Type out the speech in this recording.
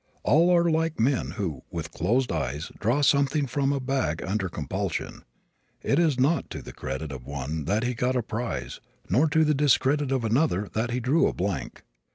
All are like men who, with closed eyes, draw something from a bag under compulsion. It is not to the credit of one that he got a prize nor to the discredit of another that he drew a blank.